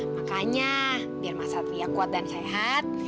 makanya biar mas satria kuat dan sehat